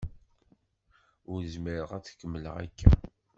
Ur zmireɣ ad kemmleɣ akka.